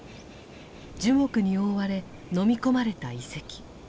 樹木に覆われ飲み込まれた遺跡。